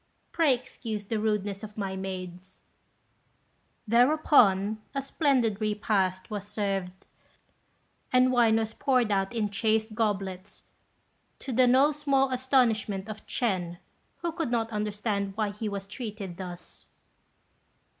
Pray excuse the rudeness of my maids." Thereupon a splendid repast was served, and wine was poured out in chased goblets, to the no small astonishment of Ch'ên, who could not understand why he was treated thus.